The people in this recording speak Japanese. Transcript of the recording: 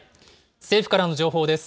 政府からの情報です。